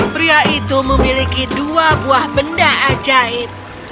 pria itu memiliki dua buah benda ajaib